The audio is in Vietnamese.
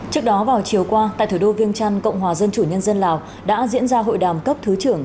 trước đó vào chiều qua tại thủ đô viêng trăn cộng hòa dân chủ nhân dân lào đã diễn ra hội đàm cấp thứ trưởng